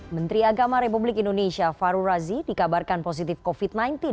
menteri agama republik indonesia farul razi dikabarkan positif covid sembilan belas